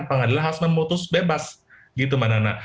pengadilan harus memutus bebas gitu mbak nana